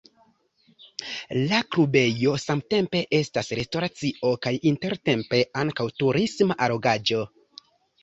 La klubejo samtempe estas restoracio kaj intertempe ankaŭ turisma allogaĵo.